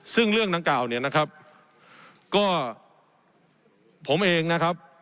ซึ่งเรื่องดังกล่าวเนี่ยนะครับก็ผมเองนะครับ